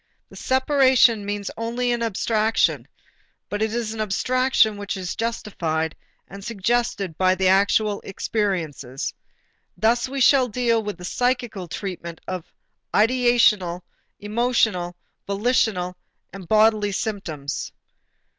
The separation means only an abstraction, but it is an abstraction which is justified and suggested by the actual experiences. Thus we shall deal with the psychical treatment of ideational, emotional, volitional, and bodily symptoms.